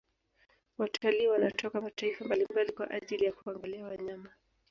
Watalii wanatoka mataifa mbalimbali kwa ajili ya kuangalia wanyama